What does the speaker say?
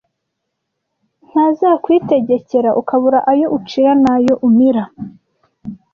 Ntazakwitegekera ukabura ayo ucira nayo umira